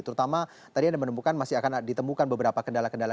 terutama tadi anda menemukan masih akan ditemukan beberapa kendala kendala